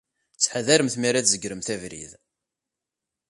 Ttḥadaremt mi ara tzegremt abrid.